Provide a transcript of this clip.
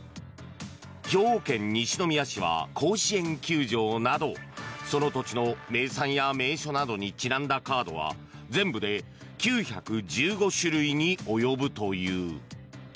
兵庫県西宮市は甲子園球場などその土地の名産や名所などにちなんだカードは全部で９１５種類に及ぶという。